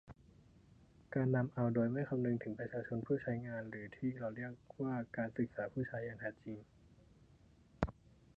การนำเอาโดยไม่คำนึงถึงประชาชนผู้ใช้งาน หรือ ที่เราเรียกว่าการศึกษาผู้ใช้อย่างแท้จริง